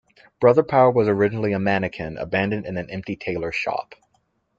Brother Power was originally a mannequin abandoned in an empty tailor's shop.